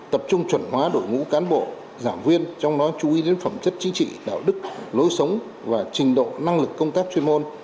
tập trung chuẩn hóa đội ngũ cán bộ giảng viên trong đó chú ý đến phẩm chất chính trị đạo đức lối sống và trình độ năng lực công tác chuyên môn